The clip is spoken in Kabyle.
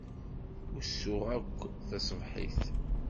Usuɣ akk taṣebḥit.